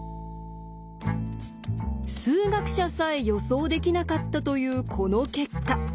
数学者さえ予想できなかったというこの結果。